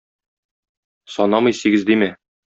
Санамый сигез димә.